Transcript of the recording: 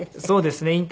そうですね。